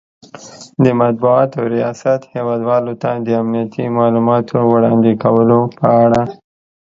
،د مطبوعاتو ریاست هیواد والو ته د امنیتي مالوماتو وړاندې کولو په اړه